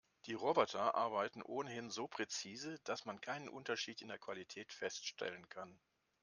Die Roboter arbeiten ohnehin so präzise, dass man keinen Unterschied in der Qualität feststellen kann.